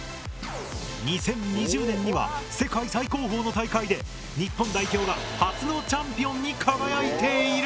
２０２０年には世界最高峰の大会で日本代表が初のチャンピオンに輝いている！